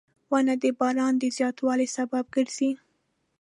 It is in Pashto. • ونه د باران د زیاتوالي سبب ګرځي.